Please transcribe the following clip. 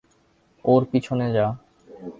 ওর পিছনে যা।